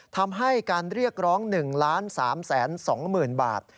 ทำให้การเรียกร้อง๑๓๒๐๐๐๐บาท